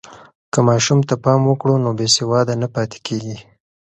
که ماشوم ته پام وکړو، نو بې سواده نه پاتې کېږي.